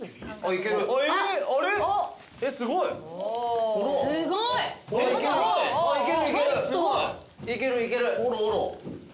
いけるいける。